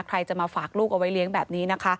ใครจะมาฝากลูกเอาไว้เลี้ยงแบบนี้นะคะ